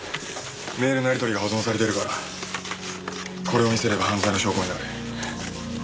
メールのやり取りが保存されてるからこれを見せれば犯罪の証拠になる。